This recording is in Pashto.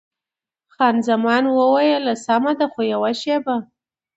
خان زمان وویل: سمه ده، خو یوه شېبه.